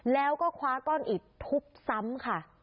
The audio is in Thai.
แล้วก็คว้าก้อนอิดทุบซ้ำค่ะ